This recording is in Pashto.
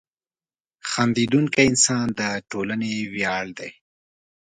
• خندېدونکی انسان د ټولنې ویاړ دی.